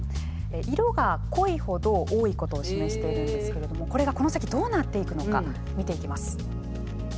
色が濃いほど多いことを示してるんですけれどもこれがこの先どうなっていくのか見ていきます。